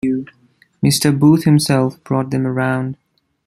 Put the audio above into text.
Mr Booth himself brought them round.